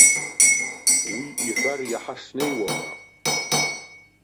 Уи иҳәар иаҳа снеиуама?